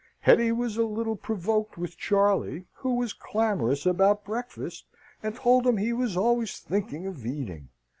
Hetty was a little provoked with Charley, who was clamorous about breakfast, and told him he was always thinking of eating.